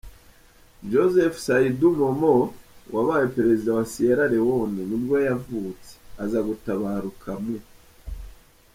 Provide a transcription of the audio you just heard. Joseph Saidu Momoh wabaye perezida wa wa Sierra Leone nibwo yavutse, aza gutabaruka mu .